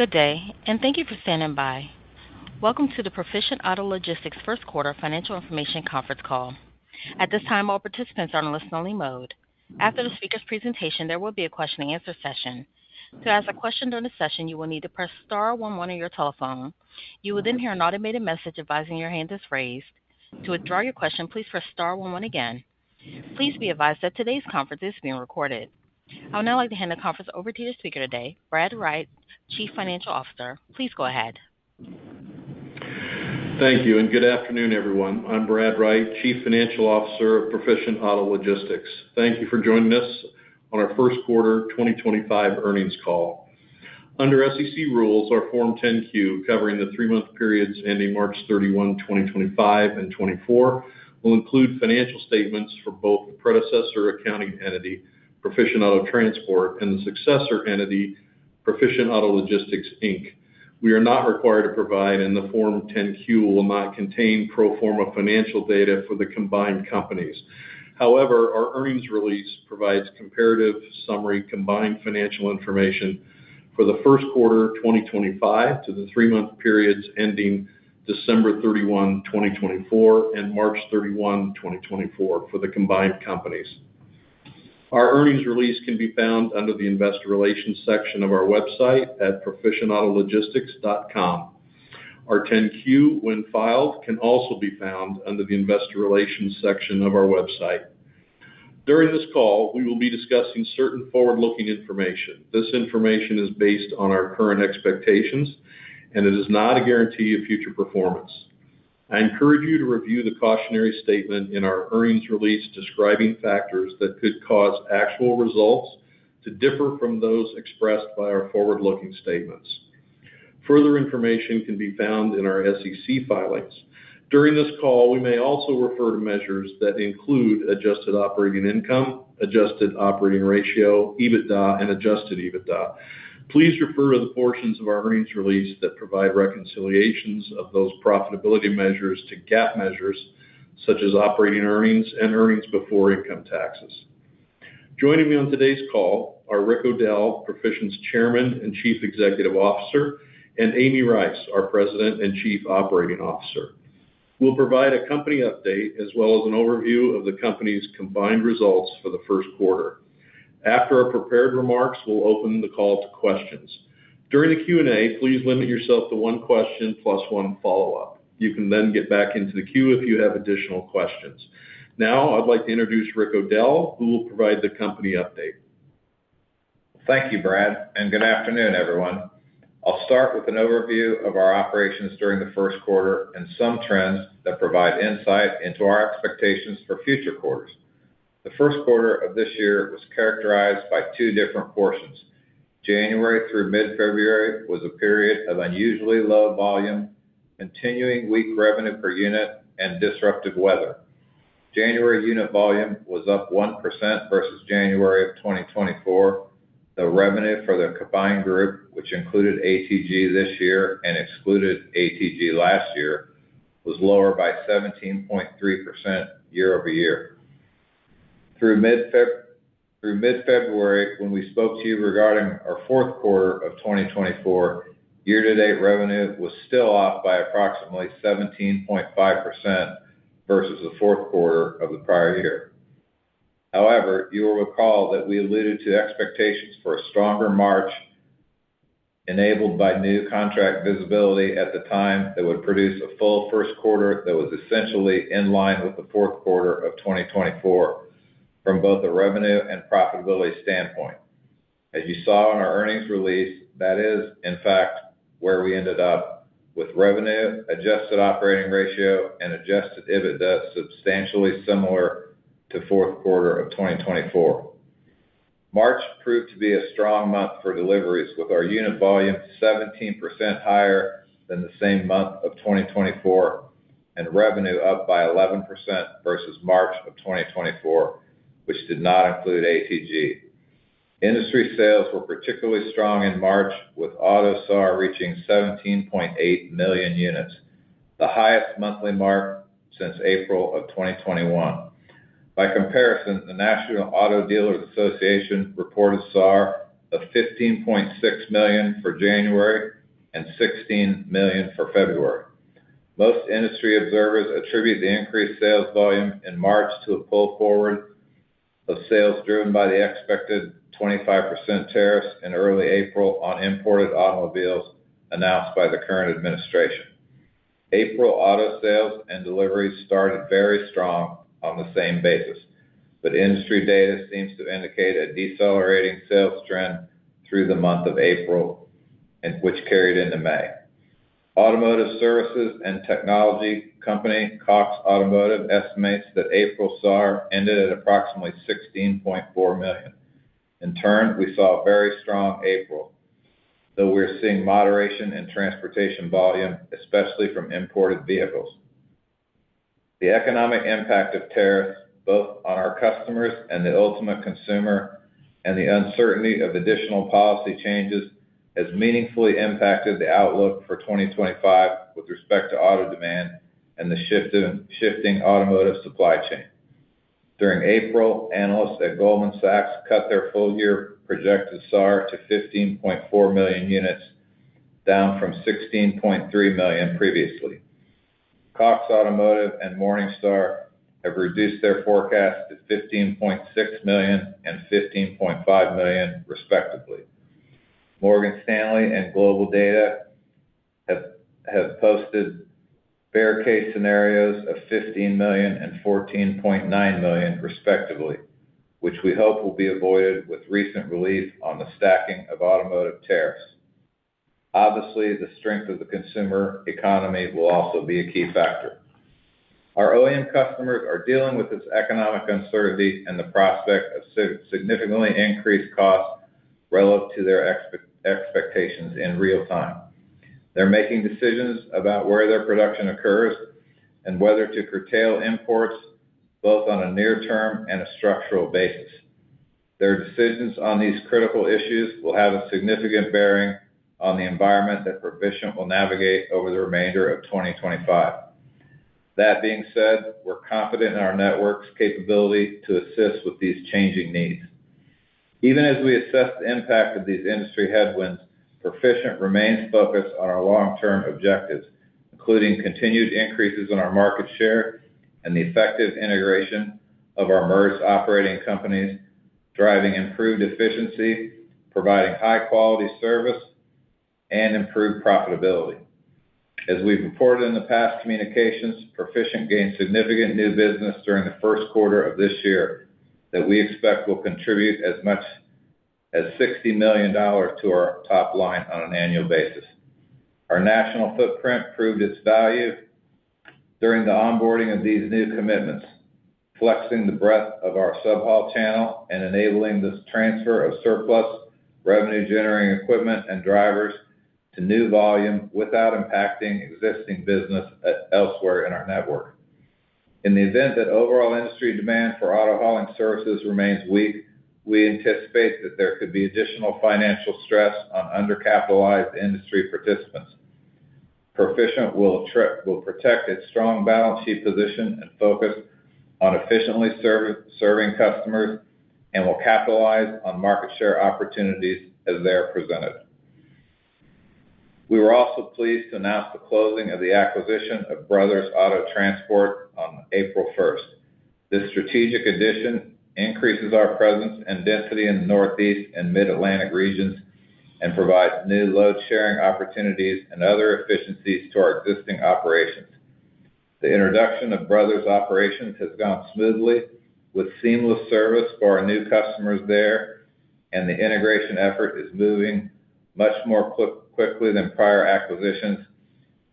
Good day, and thank you for standing by. Welcome to the Proficient Auto Logistics first quarter financial information conference call. At this time, all participants are in a listen-only mode. After the speaker's presentation, there will be a question-and-answer session. To ask a question during the session, you will need to press star 11 on your telephone. You will then hear an automated message advising your hand is raised. To withdraw your question, please press star one one again. Please be advised that today's conference is being recorded. I would now like to hand the conference over to your speaker today, Brad Wright, Chief Financial Officer. Please go ahead. Thank you, and good afternoon, everyone. I'm Brad Wright, Chief Financial Officer of Proficient Auto Logistics. Thank you for joining us on our first quarter 2025 earnings call. Under SEC rules, our Form 10-Q covering the three-month periods ending March 31, 2025 and 2024 will include financial statements for both the predecessor accounting entity, Proficient Auto Transport, and the successor entity, Proficient Auto Logistics. We are not required to provide, and the Form 10-Q will not contain pro forma financial data for the combined companies. However, our earnings release provides comparative summary combined financial information for the first quarter 2025 to the three-month periods ending December 31, 2024, and March 31, 2024 for the combined companies. Our earnings release can be found under the Investor Relations section of our website at proficientautologistics.com. Our 10-Q, when filed, can also be found under the Investor Relations section of our website. During this call, we will be discussing certain forward-looking information. This information is based on our current expectations, and it is not a guarantee of future performance. I encourage you to review the cautionary statement in our earnings release describing factors that could cause actual results to differ from those expressed by our forward-looking statements. Further information can be found in our SEC filings. During this call, we may also refer to measures that include adjusted operating income, adjusted operating ratio, EBITDA, and adjusted EBITDA. Please refer to the portions of our earnings release that provide reconciliations of those profitability measures to GAAP measures such as operating earnings and earnings before income taxes. Joining me on today's call are Rick O'Dell, Proficient Auto Logistics Chairman and Chief Executive Officer, and Amy Rice, our President and Chief Operating Officer. We'll provide a company update as well as an overview of the company's combined results for the first quarter. After our prepared remarks, we'll open the call to questions. During the Q&A, please limit yourself to one question plus one follow-up. You can then get back into the queue if you have additional questions. Now, I'd like to introduce Rick O'Dell, who will provide the company update. Thank you, Brad, and good afternoon, everyone. I'll start with an overview of our operations during the first quarter and some trends that provide insight into our expectations for future quarters. The first quarter of this year was characterized by two different portions. January through mid-February was a period of unusually low volume, continuing weak revenue per unit, and disruptive weather. January unit volume was up 1% versus January of 2024. The revenue for the combined group, which included ATG this year and excluded ATG last year, was lower by 17.3% year-over year. Through mid-February, when we spoke to you regarding our fourth quarter of 2024, year-to-date revenue was still up by approximately 17.5% versus the fourth quarter of the prior year. However, you will recall that we alluded to expectations for a stronger March enabled by new contract visibility at the time that would produce a full first quarter that was essentially in line with the fourth quarter of 2024 from both a revenue and profitability standpoint. As you saw in our earnings release, that is, in fact, where we ended up with revenue, adjusted operating ratio, and adjusted EBITDA substantially similar to the fourth quarter of 2024. March proved to be a strong month for deliveries, with our unit volume 17% higher than the same month of 2024 and revenue up by 11% versus March of 2024, which did not include Auto Transport Group. Industry sales were particularly strong in March, with auto SAR reaching 17.8 million units, the highest monthly mark since April of 2021. By comparison, the National Auto Dealers Association reported SAR of 15.6 million for January and 16 million for February. Most industry observers attribute the increased sales volume in March to a pull forward of sales driven by the expected 25% tariffs in early April on imported automobiles announced by the current administration. April auto sales and deliveries started very strong on the same basis, but industry data seems to indicate a decelerating sales trend through the month of April, which carried into May. Automotive services and technology company Cox Automotive estimates that April SAR ended at approximately 16.4 million. In turn, we saw a very strong April, though we are seeing moderation in transportation volume, especially from imported vehicles. The economic impact of tariffs both on our customers and the ultimate consumer and the uncertainty of additional policy changes has meaningfully impacted the outlook for 2025 with respect to auto demand and the shifting automotive supply chain. During April, analysts at Goldman Sachs cut their full-year projected SAR to 15.4 million units, down from 16.3 million previously. Cox Automotive and Morningstar have reduced their forecasts to 15.6 million and 15.5 million, respectively. Morgan Stanley and GlobalData have posted fair case scenarios of 15 million and 14.9 million, respectively, which we hope will be avoided with recent relief on the stacking of automotive tariffs. Obviously, the strength of the consumer economy will also be a key factor. Our OEM customers are dealing with this economic uncertainty and the prospect of significantly increased costs relative to their expectations in real time. They're making decisions about where their production occurs and whether to curtail imports both on a near-term and a structural basis. Their decisions on these critical issues will have a significant bearing on the environment that Proficient will navigate over the remainder of 2025. That being said, we're confident in our network's capability to assist with these changing needs. Even as we assess the impact of these industry headwinds, Proficient remains focused on our long-term objectives, including continued increases in our market share and the effective integration of our merged operating companies, driving improved efficiency, providing high-quality service, and improved profitability. As we've reported in the past communications, Proficient gained significant new business during the first quarter of this year that we expect will contribute as much as $60 million to our top line on an annual basis. Our national footprint proved its value during the onboarding of these new commitments, flexing the breadth of our sub-haul channel and enabling the transfer of surplus revenue-generating equipment and drivers to new volume without impacting existing business elsewhere in our network. In the event that overall industry demand for auto hauling services remains weak, we anticipate that there could be additional financial stress on undercapitalized industry participants. Proficient will protect its strong balance sheet position and focus on efficiently serving customers and will capitalize on market share opportunities as they are presented. We were also pleased to announce the closing of the acquisition of Brothers Auto Transport on April 1st. This strategic addition increases our presence and density in the Northeast and Mid-Atlantic regions and provides new load-sharing opportunities and other efficiencies to our existing operations. The introduction of Brothers operations has gone smoothly with seamless service for our new customers there, and the integration effort is moving much more quickly than prior acquisitions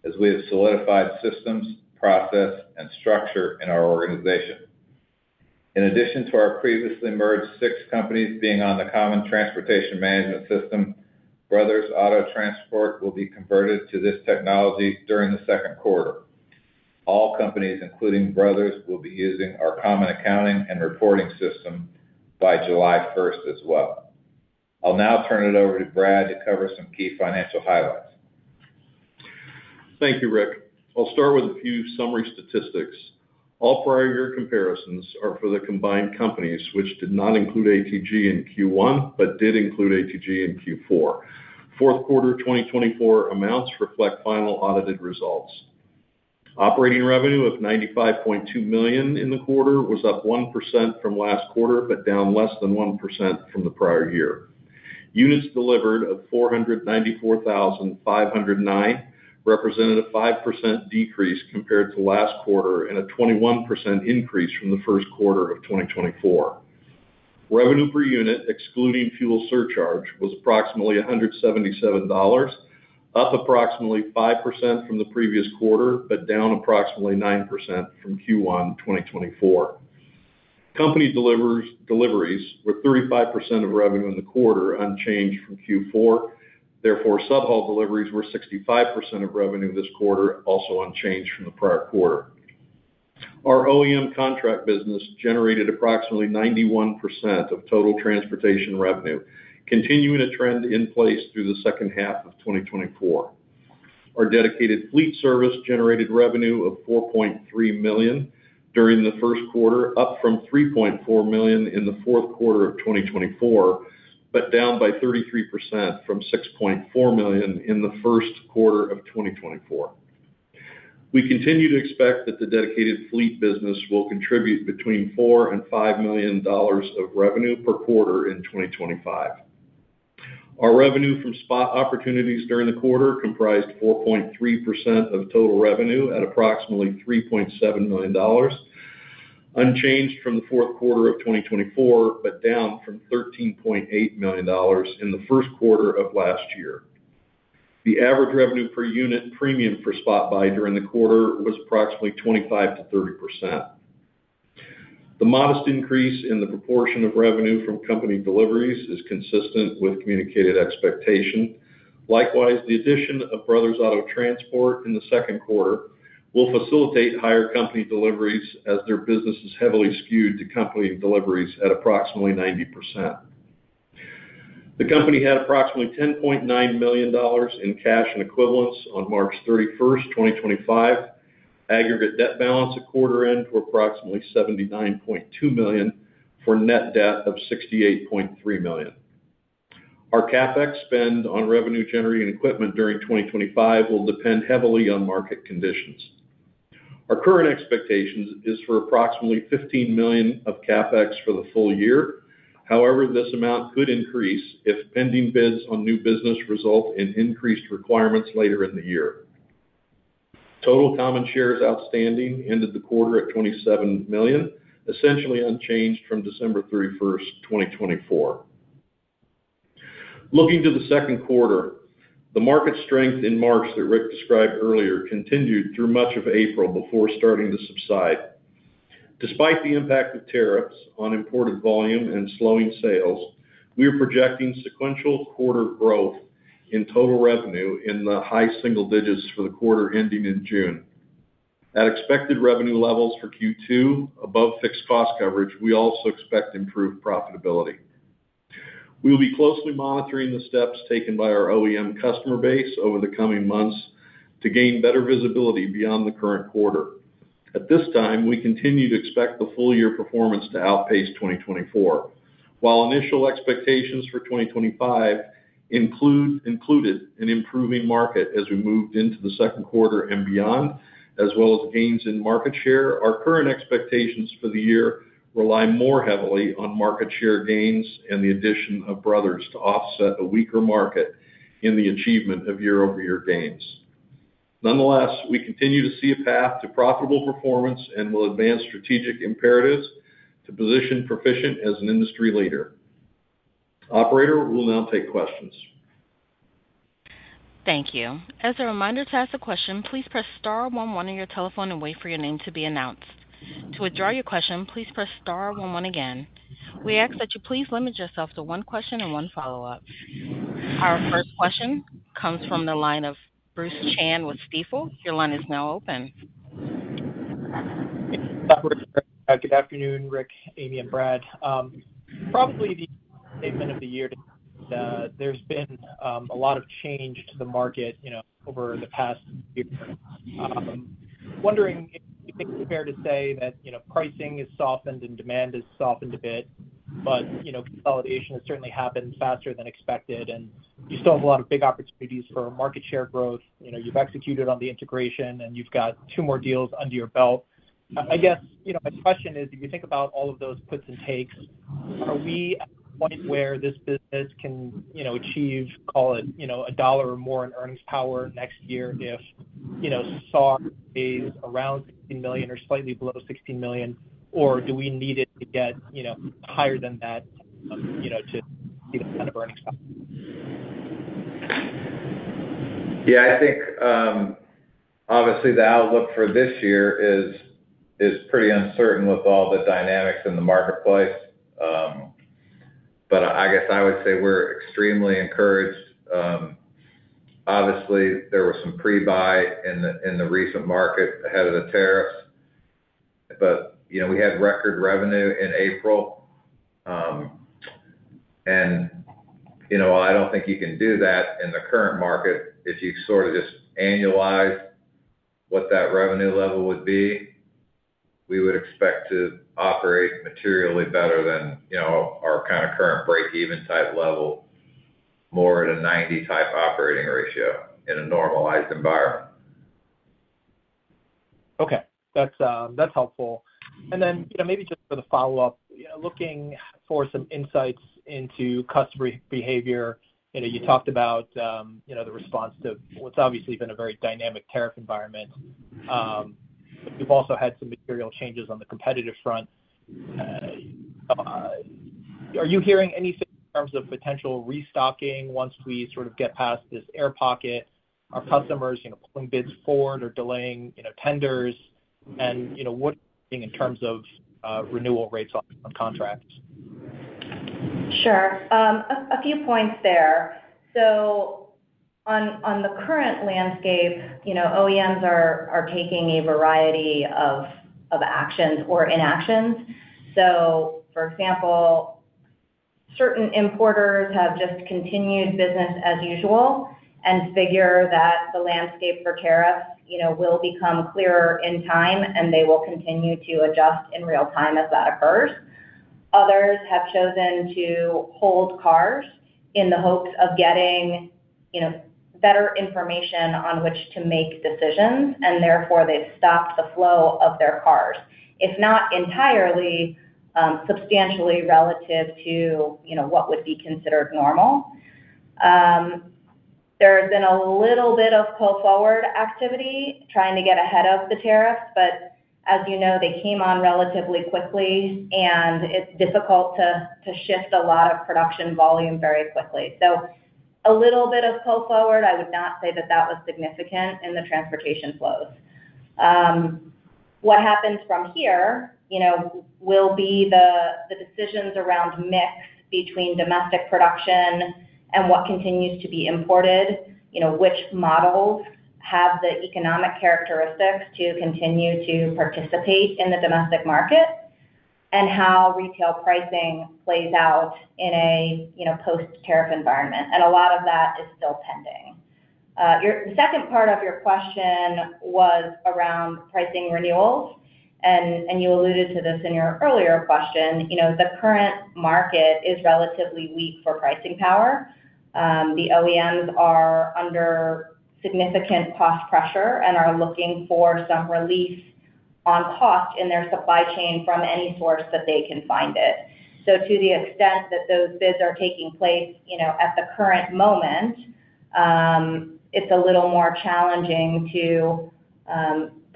as we have solidified systems, process, and structure in our organization. In addition to our previously merged six companies being on the common transportation management system, Brothers Auto Transport will be converted to this technology during the second quarter. All companies, including Brothers, will be using our common accounting and reporting system by July 1st as well. I'll now turn it over to Brad to cover some key financial highlights. Thank you, Rick. I'll start with a few summary statistics. All prior-year comparisons are for the combined companies, which did not include ATG in Q1 but did include ATG in Q4. Fourth quarter 2024 amounts reflect final audited results. Operating revenue of $95.2 million in the quarter was up 1% from last quarter but down less than 1% from the prior year. Units delivered of 494,509 represented a 5% decrease compared to last quarter and a 21% increase from the first quarter of 2024. Revenue per unit, excluding fuel surcharge, was approximately $177, up approximately 5% from the previous quarter but down approximately 9% from Q1 2024. Company deliveries were 35% of revenue in the quarter, unchanged from Q4. Therefore, sub-haul deliveries were 65% of revenue this quarter, also unchanged from the prior quarter. Our OEM contract business generated approximately 91% of total transportation revenue, continuing a trend in place through the second half of 2024. Our dedicated fleet service generated revenue of $4.3 million during the first quarter, up from $3.4 million in the fourth quarter of 2024 but down by 33% from $6.4 million in the first quarter of 2024. We continue to expect that the dedicated fleet business will contribute between $4 million and $5 million of revenue per quarter in 2025. Our revenue from spot opportunities during the quarter comprised 4.3% of total revenue at approximately $3.7 million, unchanged from the fourth quarter of 2024 but down from $13.8 million in the first quarter of last year. The average revenue per unit premium for spot buy during the quarter was approximately 25%-30%. The modest increase in the proportion of revenue from company deliveries is consistent with communicated expectation. Likewise, the addition of Brothers Auto Transport in the second quarter will facilitate higher company deliveries as their business is heavily skewed to company deliveries at approximately 90%. The company had approximately $10.9 million in cash and equivalents on March 31, 2025. Aggregate debt balance at quarter-end to approximately $79.2 million for net debt of $68.3 million. Our CapEx spend on revenue-generating equipment during 2025 will depend heavily on market conditions. Our current expectation is for approximately $15 million of CapEx for the full year. However, this amount could increase if pending bids on new business result in increased requirements later in the year. Total common shares outstanding ended the quarter at 27 million, essentially unchanged from December 31, 2024. Looking to the second quarter, the market strength in March that Rick described earlier continued through much of April before starting to subside. Despite the impact of tariffs on imported volume and slowing sales, we are projecting sequential quarter growth in total revenue in the high single digits for the quarter ending in June. At expected revenue levels for Q2 above fixed cost coverage, we also expect improved profitability. We will be closely monitoring the steps taken by our OEM customer base over the coming months to gain better visibility beyond the current quarter. At this time, we continue to expect the full-year performance to outpace 2024. While initial expectations for 2025 included an improving market as we moved into the second quarter and beyond, as well as gains in market share, our current expectations for the year rely more heavily on market share gains and the addition of Brothers to offset a weaker market in the achievement of year-over-year gains. Nonetheless, we continue to see a path to profitable performance and will advance strategic imperatives to position Proficient as an industry leader. Operator will now take questions. Thank you. As a reminder to ask a question, please press star 11 on your telephone and wait for your name to be announced. To withdraw your question, please press star 11 again. We ask that you please limit yourself to one question and one follow-up. Our first question comes from the line of Bruce Chan with Stifel. Your line is now open. Hi, Rick. Good afternoon, Rick, Amy, and Brad. Probably the statement of the year today, there's been a lot of change to the market over the past year. Wondering if it's fair to say that pricing has softened and demand has softened a bit, but consolidation has certainly happened faster than expected, and you still have a lot of big opportunities for market share growth. You've executed on the integration, and you've got two more deals under your belt. I guess my question is, if you think about all of those puts and takes, are we at a point where this business can achieve, call it, a dollar or more in earnings power next year if SAR stays around $16 million or slightly below $16 million, or do we need it to get higher than that to see that kind of earnings power? Yeah, I think obviously the outlook for this year is pretty uncertain with all the dynamics in the marketplace, but I guess I would say we're extremely encouraged. Obviously, there was some pre-buy in the recent market ahead of the tariffs, but we had record revenue in April, and I don't think you can do that in the current market. If you sort of just annualize what that revenue level would be, we would expect to operate materially better than our kind of current break-even type level, more at a 90% type operating ratio in a normalized environment. Okay. That's helpful. Maybe just for the follow-up, looking for some insights into customer behavior. You talked about the response to what's obviously been a very dynamic tariff environment. You've also had some material changes on the competitive front. Are you hearing anything in terms of potential restocking once we sort of get past this air pocket? Are customers pulling bids forward or delaying tenders? What are you seeing in terms of renewal rates on contracts? Sure. A few points there. On the current landscape, OEMs are taking a variety of actions or inactions. For example, certain importers have just continued business as usual and figure that the landscape for tariffs will become clearer in time, and they will continue to adjust in real time as that occurs. Others have chosen to hold cars in the hopes of getting better information on which to make decisions, and therefore they have stopped the flow of their cars, if not entirely, substantially relative to what would be considered normal. There has been a little bit of pull-forward activity trying to get ahead of the tariffs, but as you know, they came on relatively quickly, and it is difficult to shift a lot of production volume very quickly. A little bit of pull-forward, I would not say that that was significant in the transportation flows. What happens from here will be the decisions around mix between domestic production and what continues to be imported, which models have the economic characteristics to continue to participate in the domestic market, and how retail pricing plays out in a post-tariff environment. A lot of that is still pending. The second part of your question was around pricing renewals, and you alluded to this in your earlier question. The current market is relatively weak for pricing power. The OEMs are under significant cost pressure and are looking for some relief on cost in their supply chain from any source that they can find it. To the extent that those bids are taking place at the current moment, it's a little more challenging to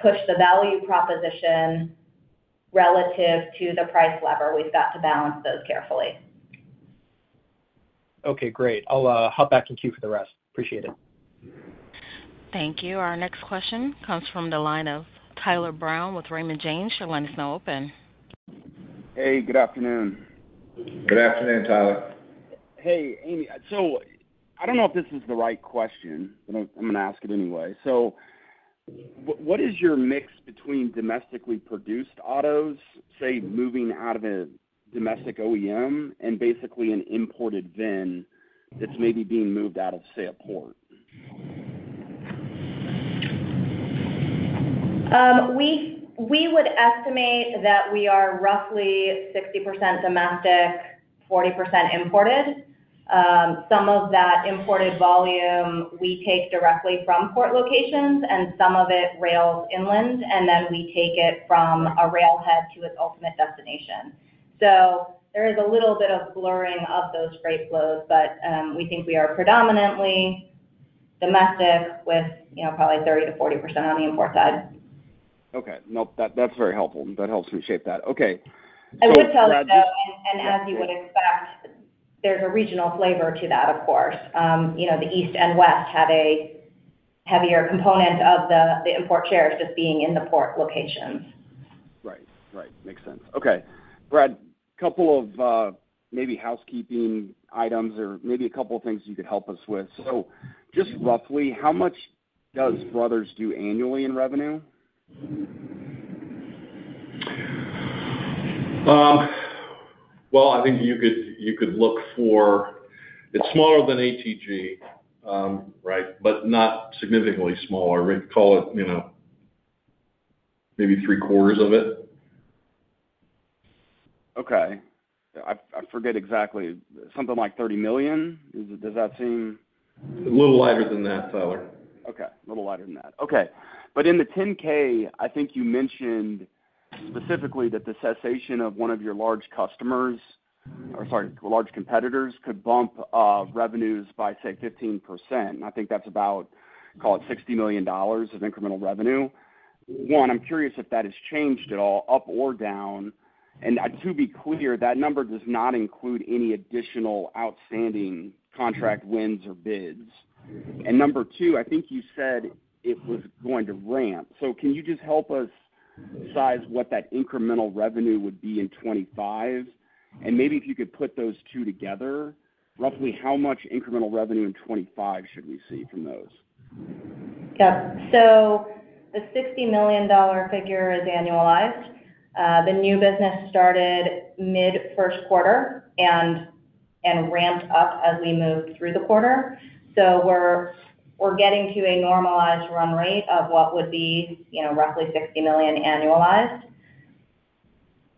push the value proposition relative to the price lever. We've got to balance those carefully. Okay. Great. I'll hop back in queue for the rest. Appreciate it. Thank you. Our next question comes from the line of Tyler Brown with Raymond James. Your line is now open. Hey, good afternoon. Good afternoon, Tyler. Hey, Amy. I don't know if this is the right question. I'm going to ask it anyway. What is your mix between domestically produced autos, say, moving out of a domestic OEM and basically an imported VIN that's maybe being moved out of, say, a port? We would estimate that we are roughly 60% domestic, 40% imported. Some of that imported volume we take directly from port locations, and some of it rails inland, and then we take it from a railhead to its ultimate destination. There is a little bit of blurring of those freight flows, but we think we are predominantly domestic with probably 30-40% on the import side. Okay. Nope. That's very helpful. That helps me shape that. Okay. I would tell you so, and as you would expect, there's a regional flavor to that, of course. The East and West have a heavier component of the import shares just being in the port locations. Right. Right. Makes sense. Okay. Brad, a couple of maybe housekeeping items or maybe a couple of things you could help us with. So just roughly, how much does Brothers do annually in revenue? I think you could look for it's smaller than ATG, right, but not significantly smaller. We'd call it maybe three-quarters of it. Okay. I forget exactly. Something like 30 million? Does that seem? A little lighter than that, Tyler. Okay. A little lighter than that. Okay. But in the 10-K, I think you mentioned specifically that the cessation of one of your large customers or, sorry, large competitors could bump revenues by, say, 15%. And I think that's about, call it, $60 million of incremental revenue. One, I'm curious if that has changed at all, up or down. And to be clear, that number does not include any additional outstanding contract wins or bids. Number two, I think you said it was going to ramp. Can you just help us size what that incremental revenue would be in 2025? And maybe if you could put those two together, roughly how much incremental revenue in 2025 should we see from those? Yep. The $60 million figure is annualized. The new business started mid-first quarter and ramped up as we moved through the quarter. We're getting to a normalized run rate of what would be roughly $60 million annualized.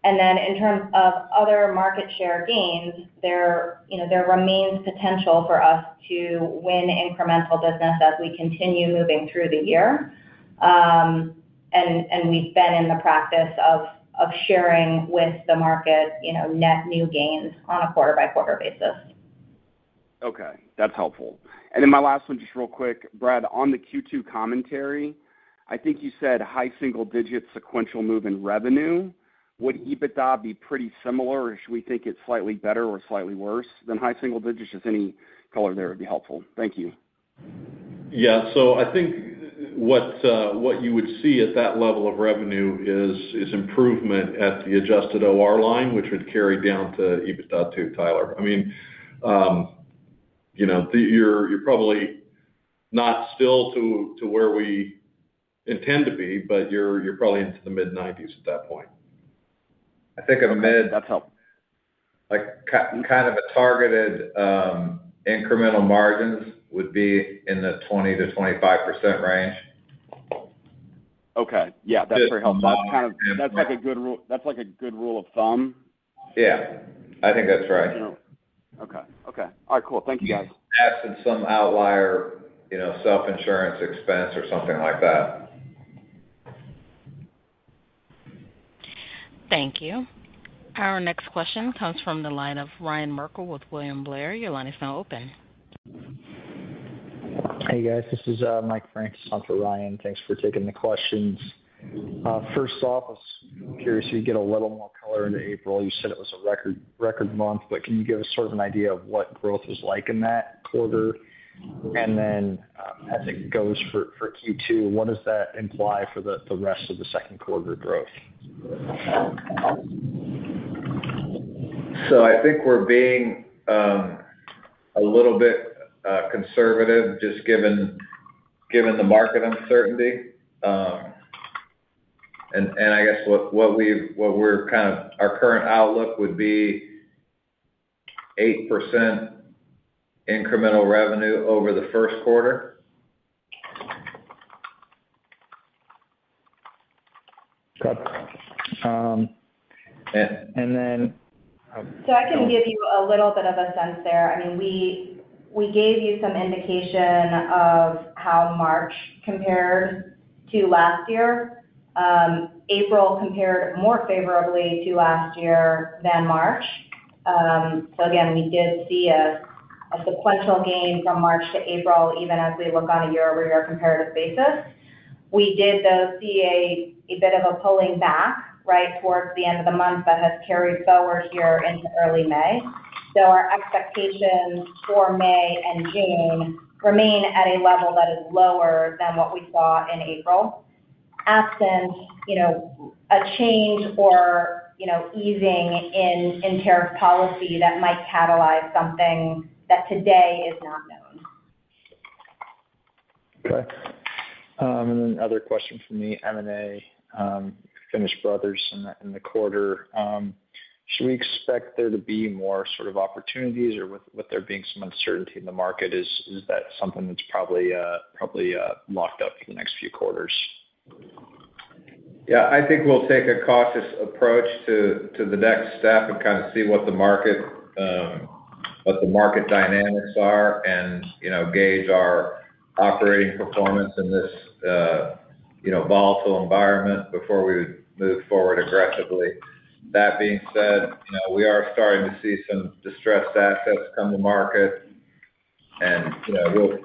In terms of other market share gains, there remains potential for us to win incremental business as we continue moving through the year. We've been in the practice of sharing with the market net new gains on a quarter-by-quarter basis. Okay. That's helpful. My last one, just real quick, Brad, on the Q2 commentary, I think you said high single-digit sequential move in revenue. Would EBITDA be pretty similar, or should we think it's slightly better or slightly worse than high single digits? Just any color there would be helpful. Thank you. Yeah. So I think what you would see at that level of revenue is improvement at the adjusted OR line, which would carry down to EBITDA too, Tyler. I mean, you're probably not still to where we intend to be, but you're probably into the mid-90s at that point. I think a mid. That's helpful. Kind of a targeted incremental margins would be in the 20%-25% range. Okay. Yeah. That's very helpful. That's like a good rule of thumb. Yeah. I think that's right. Okay. Okay. All right. Cool. Thank you, guys. Ask for some outlier self-insurance expense or something like that. Thank you. Our next question comes from the line of Ryan Merkel with William Blair. Your line is now open. Hey, guys. This is Mike Francis for Ryan. Thanks for taking the questions. First off, I was curious if you'd get a little more color into April. You said it was a record month, but can you give us sort of an idea of what growth was like in that quarter? As it goes for Q2, what does that imply for the rest of the second quarter growth? I think we're being a little bit conservative just given the market uncertainty. I guess what we're kind of our current outlook would be 8% incremental revenue over the first quarter. Okay. And then. I can give you a little bit of a sense there. I mean, we gave you some indication of how March compared to last year. April compared more favorably to last year than March. Again, we did see a sequential gain from March to April, even as we look on a year-over-year comparative basis. We did though see a bit of a pulling back, right, towards the end of the month that has carried forward here into early May. Our expectations for May and June remain at a level that is lower than what we saw in April, absent a change or easing in tariff policy that might catalyze something that today is not known. Okay. And then other question for me, M&A, finished Brothers in the quarter. Should we expect there to be more sort of opportunities, or with there being some uncertainty in the market, is that something that's probably locked up for the next few quarters? Yeah. I think we'll take a cautious approach to the next step and kind of see what the market dynamics are and gauge our operating performance in this volatile environment before we move forward aggressively. That being said, we are starting to see some distressed assets come to market, and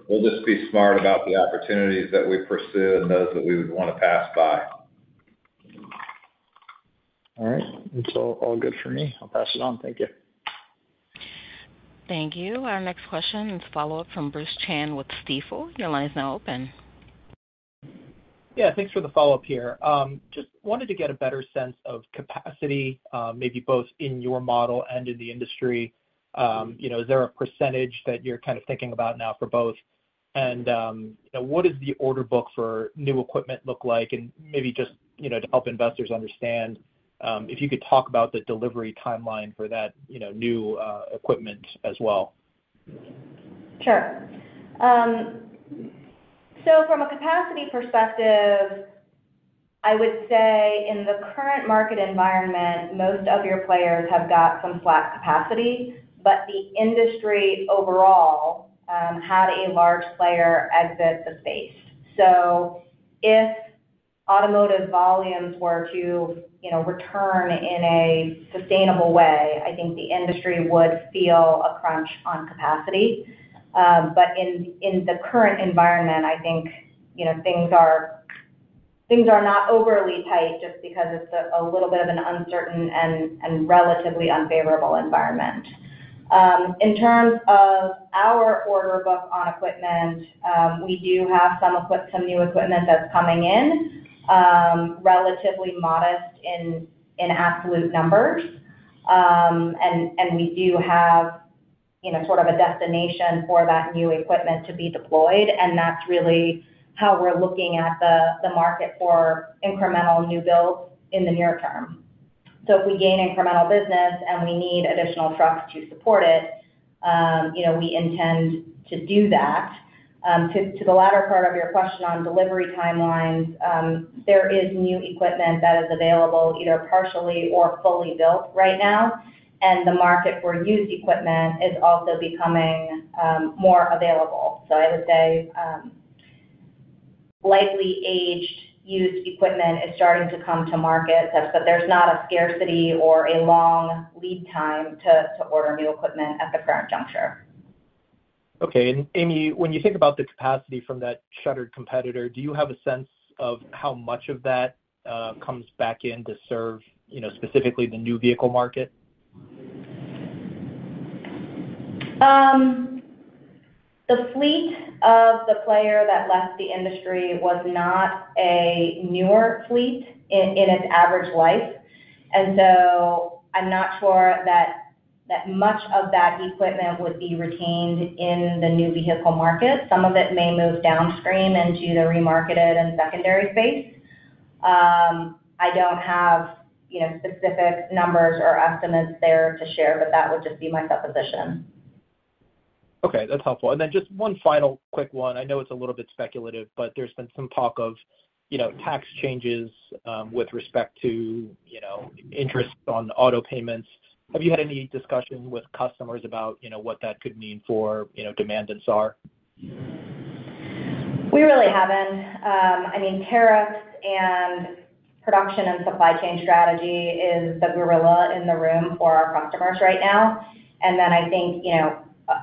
we'll just be smart about the opportunities that we pursue and those that we would want to pass by. All right. That's all good for me. I'll pass it on. Thank you. Thank you. Our next question is a follow-up from Bruce Chan with Stifel. Your line is now open. Yeah. Thanks for the follow-up here. Just wanted to get a better sense of capacity, maybe both in your model and in the industry. Is there a percentage that you're kind of thinking about now for both? What does the order book for new equipment look like? Maybe just to help investors understand, if you could talk about the delivery timeline for that new equipment as well. Sure. From a capacity perspective, I would say in the current market environment, most of your players have got some slack capacity, but the industry overall had a large player exit the space. If automotive volumes were to return in a sustainable way, I think the industry would feel a crunch on capacity. In the current environment, I think things are not overly tight just because it's a little bit of an uncertain and relatively unfavorable environment. In terms of our order book on equipment, we do have some new equipment that's coming in, relatively modest in absolute numbers. We do have sort of a destination for that new equipment to be deployed. That's really how we're looking at the market for incremental new builds in the near term. If we gain incremental business and we need additional trucks to support it, we intend to do that. To the latter part of your question on delivery timelines, there is new equipment that is available either partially or fully built right now. The market for used equipment is also becoming more available. I would say likely aged used equipment is starting to come to market, but there is not a scarcity or a long lead time to order new equipment at the current juncture. Okay. Amy, when you think about the capacity from that shuttered competitor, do you have a sense of how much of that comes back in to serve specifically the new vehicle market? The fleet of the player that left the industry was not a newer fleet in its average life. I'm not sure that much of that equipment would be retained in the new vehicle market. Some of it may move downstream into the remarketed and secondary space. I don't have specific numbers or estimates there to share, but that would just be my supposition. Okay. That's helpful. Then just one final quick one. I know it's a little bit speculative, but there's been some talk of tax changes with respect to interest on auto payments. Have you had any discussion with customers about what that could mean for demand and SAR? We really haven't. I mean, tariffs and production and supply chain strategy is the gorilla in the room for our customers right now. I think,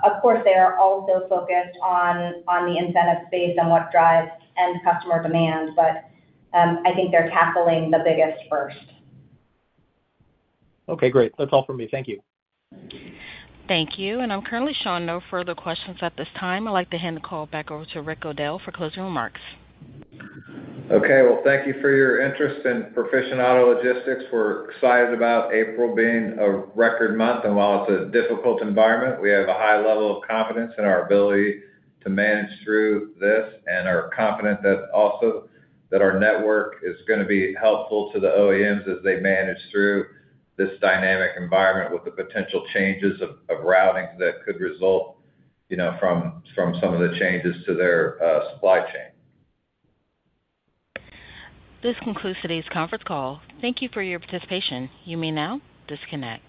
of course, they are also focused on the incentive space and what drives end customer demand, but I think they're tackling the biggest first. Okay. Great. That's all for me. Thank you. Thank you. I'm currently showing no further questions at this time. I'd like to hand the call back over to Rick O'Dell for closing remarks. Thank you for your interest in Proficient Auto Logistics. We're excited about April being a record month. While it's a difficult environment, we have a high level of confidence in our ability to manage through this and are confident that also that our network is going to be helpful to the OEMs as they manage through this dynamic environment with the potential changes of routing that could result from some of the changes to their supply chain. This concludes today's conference call. Thank you for your participation. You may now disconnect.